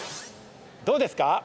どうですか？